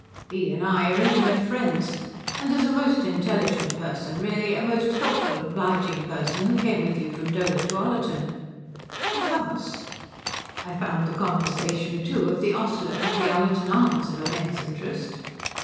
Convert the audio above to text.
"He and I are intimate friends. And there's a most intelligent person really a most helpful, obliging person who came with you from Dover to Ullerton." "With us?" "I found the conversation, too, of the ostler at the Ullerton Arms of immense interest."